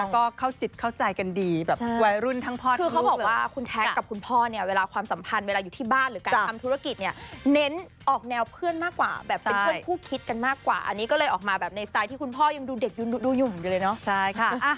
ก็เข้าจิตเข้าใจกันดีแบบวายรุ่นทั้งพอดคลุก